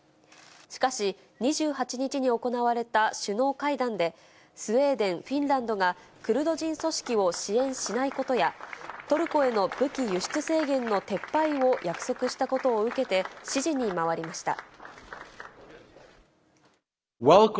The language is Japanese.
しかし、２８日に行われた首脳会談で、スウェーデン、フィンランドがクルド人組織を支援しないことや、トルコへの武器輸出制限の撤廃を約束したことを受けて、支持に回りました。